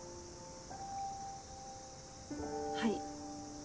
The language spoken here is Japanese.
はい。